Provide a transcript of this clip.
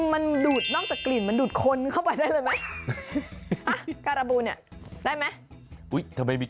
มันดูดนอกจากกลิ่นมันดูดคนเข้าไปได้เลยไหม